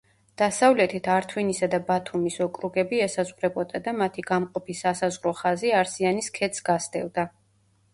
დასავლეთით ართვინისა და ბათუმის ოკრუგები ესაზღვრებოდა და მათი გამყოფი სასაზღვრო ხაზი არსიანის ქედს გასდევდა.